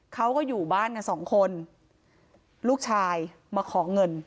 เขาก็อยู่บ้านกันสองคนลูกชายมาขอเงิน